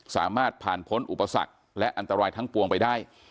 สามารถผ่านพ้นอุปสรรคและอันตรายทั้งปวงไปได้